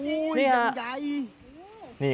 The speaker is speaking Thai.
โอ้ยยังใหญ่